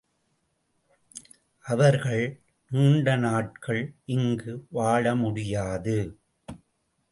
அவர்கள் நீண்ட நாட்கள் இங்கு வாழ முடியாது.